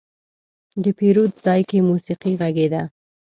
د پیرود ځای کې موسيقي غږېده.